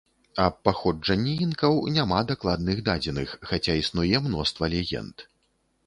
Аб паходжанні інкаў няма дакладных дадзеных, хаця існуе мноства легенд.